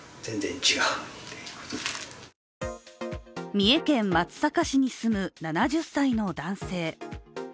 三重県松阪市に住む７０歳の男性。